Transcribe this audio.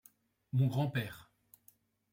Mon grand-père